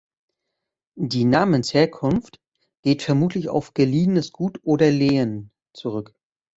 Die Namensherkunft geht vermutlich auf "geliehenes Gut" oder "Lehen" zurück.